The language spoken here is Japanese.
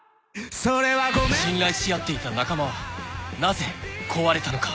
［信頼し合っていた仲間はなぜ壊れたのか］